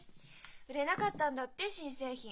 売れなかったんだって新製品。